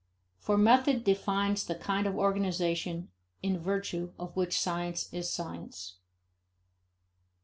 For method defines the kind of organization in virtue of which science is science.